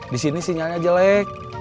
di sini sinyalnya jelek